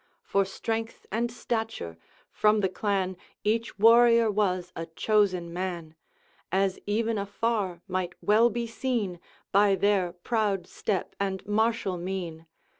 For strength and stature, from the clan Each warrior was a chosen man, As even afar might well be seen, By their proud step and martial mien.